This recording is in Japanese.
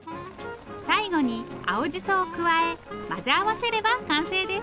最後に青じそを加え混ぜ合わせれば完成です。